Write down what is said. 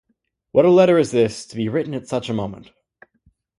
What a letter is this, to be written at such a moment!